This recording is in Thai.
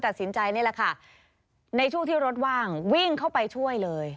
นี่แหละค่ะในช่วงที่รถว่างวิ่งเข้าไปช่วยเลย